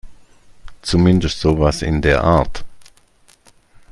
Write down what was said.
Zumindest sowas in der Art.